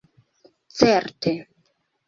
certe